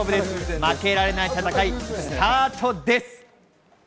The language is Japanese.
負けられない戦い、スタートです。